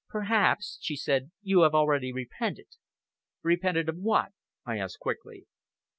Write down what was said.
"Perhaps," she said, "you have already repented." "Repented of what?" I asked quickly.